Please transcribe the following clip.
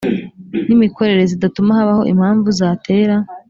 n imikorere zidatuma habaho impamvu zatera